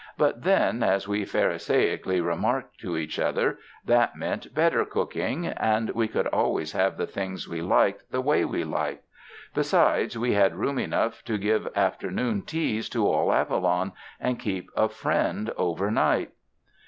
But then, as we pharisaically remarked to each other, that meant better cooking; and we could always have the things we liked the way we liked. Besides we had room enough to give afternoon teas to all Avalon, and keep a friend overnight.